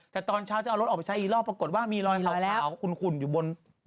แต่ตอนเช้าจะเอารถออกไปใช้อีกรอบปรากฏว่ามีรอยขาวขุ่นอยู่บน